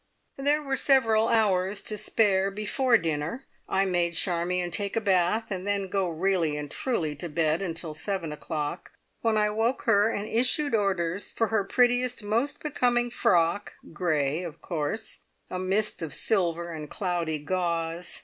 There were several hours to spare before dinner. I made Charmion take a bath, and then go really and truly to bed, until seven o'clock, when I woke her and issued orders for her prettiest, most becoming frock, grey, of course, a mist of silver and cloudy gauze.